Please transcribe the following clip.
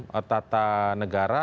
hukum tata negara